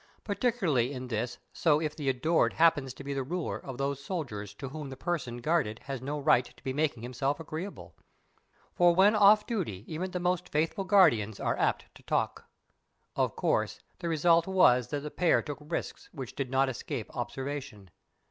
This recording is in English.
Particularly is this so if the adored happens to be the ruler of those soldiers to whom the person guarded has no right to be making himself agreeable. For when off duty even the most faithful guardians are apt to talk. Of course, the result was that the pair took risks which did not escape observation.